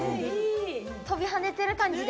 跳びはねてる感じで。